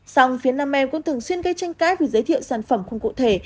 xong phía nam em cũng thường xuyên gây tranh cãi vì giới thiệu sản phẩm không cụ thể